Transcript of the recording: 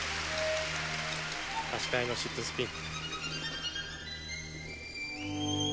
足換えのシットスピン。